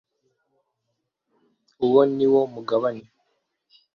Uwo ni wo mugabane